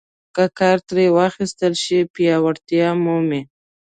که کار ترې واخیستل شي پیاوړتیا مومي.